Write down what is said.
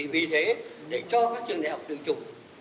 vì thế để cho các trường đại học tự chủ